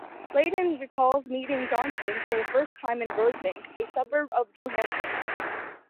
Leyden recalls meeting Johnston for the first time in Rosebank, a suburb of Johannesburg.